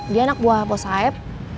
dia anak buah bapak saeb